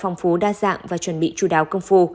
phong phú đa dạng và chuẩn bị chú đáo công phu